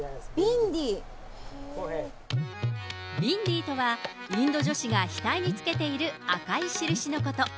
ビンディーとは、インド女子が額につけている赤い印のこと。